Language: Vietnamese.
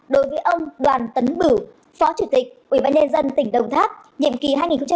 đối với ông đoàn tấn bử phó chủ tịch ủy ban nhân dân tỉnh đồng tháp nhiệm kỳ hai nghìn hai mươi một hai nghìn hai mươi sáu